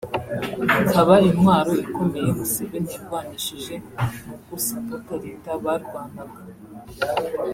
ikaba intwaro ikomeye Museveni yarwanishije mu gu sabota leta barwanaga